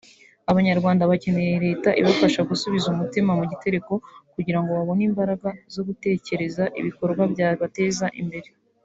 Abanyarwanda bakeneye Leta ibafasha gusubiza umutima mu gitereko kugira ngo babone imbaraga zo gutekereza ibikorwa byabateza imbere